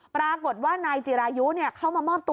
ปรากฏว่านายจิรายุเข้ามามอบตัว